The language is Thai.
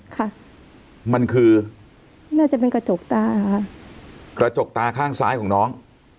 ค่ะมันคือน่าจะเป็นกระจกตาค่ะกระจกตาข้างซ้ายของน้อง